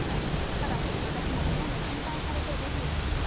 ただ、私も親に反対されてデビューしました。